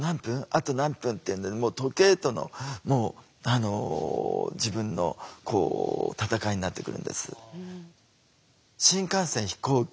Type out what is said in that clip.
あと何分」っていうんで時計との自分の闘いになってくるんです。